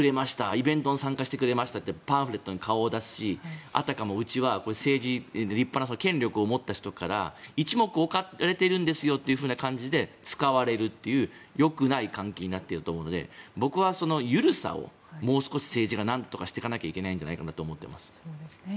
イベントに参加してくれましたってパンフレットに顔を出すしあたかも、うちは立派な権力を持った人から一目置かれているんですよという感じで使われるっていうよくない関係になっていると思うので僕は緩さをもう少し政治がなんとかしていかないといけないんじゃないかと思っています。